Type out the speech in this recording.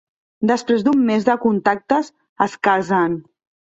Després d'un mes de contactes, es casen.